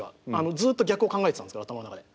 ずっと逆を考えてたんですけど頭の中で。